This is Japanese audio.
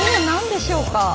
何でしょうか。